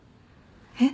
えっ？